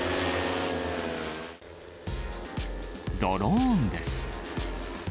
ドローンです。